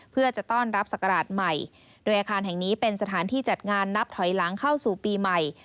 เพื่อจะต้อนรับศักราชใหม่โดยอาคารแห่งนี้เป็นสถานที่จัดงานนับถอยหลังเข้าสู่ปีใหม่